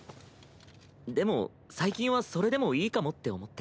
でも最近はそれでもいいかもって思って。